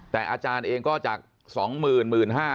แต่อาจารย์เองก็จากสองหมื่นหมื่นห้า